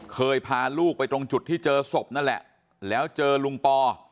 เคยพาลูกไปตรงจุดที่เจอศพนั่นแหละแล้วเจอลุงปอ